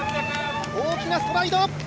大きなストライド。